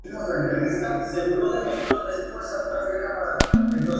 El borde exterior, de color amarillo, contiene el ornamento nacional dibujado en color azul.